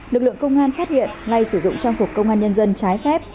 lực lượng công an phát hiện nay sử dụng trang phục công an nhân dân trái phép